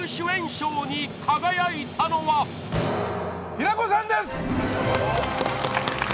平子さんです！